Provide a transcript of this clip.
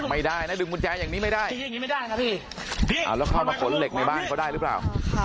อ่าแล้วเข้ามาขนเหล็กในบ้านเค้าได้รึเปล่า